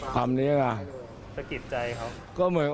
ก็กิจใจเขา